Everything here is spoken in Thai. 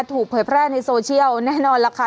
เผยแพร่ในโซเชียลแน่นอนล่ะค่ะ